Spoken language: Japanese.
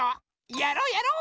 やろうやろう！